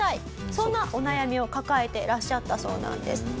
そんなお悩みを抱えてらっしゃったそうなんです。